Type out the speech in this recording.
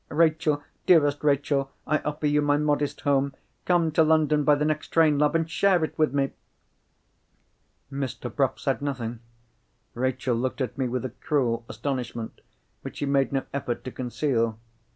Rachel, dearest Rachel, I offer you my modest home; come to London by the next train, love, and share it with me!" Mr. Bruff said nothing. Rachel looked at me with a cruel astonishment which she made no effort to conceal.